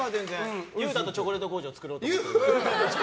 裕太とチョコレート工場作ろうかと。